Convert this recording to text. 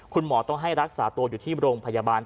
คุณหมอต้องให้รักษาตัวอยู่ที่โรงพยาบาล